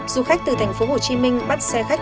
du khách từ tp hcm bắt xe khách